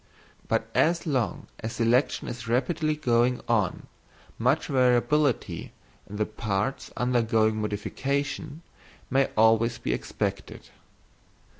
But as long as selection is rapidly going on, much variability in the parts undergoing modification may always be expected.